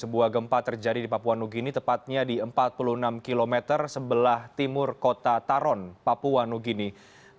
sebuah gempa terjadi di papua new guinea tepatnya di empat puluh enam km sebelah timur kota taron papua new guinea